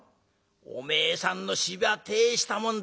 おめえさんの芝居はてえしたもんだ。